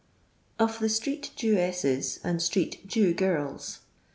Of the Street Jewesses avd Stueh Jew Oi&lb.